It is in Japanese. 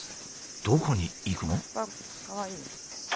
どこに行くの？